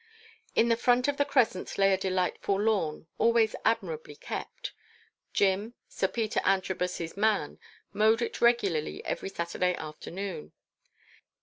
In front of the crescent lay a delightful lawn, always admirably kept. Jim, Sir Peter Antrobus's man, mowed it regularly every Saturday afternoon.